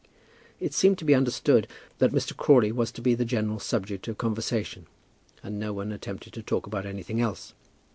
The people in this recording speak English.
It seemed to be understood that Mr. Crawley was to be the general subject of conversation, and no one attempted to talk about anything else.